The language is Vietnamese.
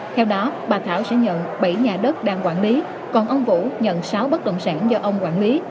theo đó bà thảo sẽ nhận bảy nhà đất đang quản lý còn ông vũ nhận sáu bất động sản do ông quản lý